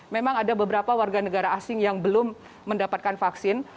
memang ada beberapa warga negara asing yang belum mendapatkan vaksin